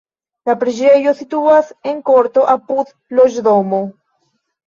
La preĝejo situas en korto apud loĝdomo.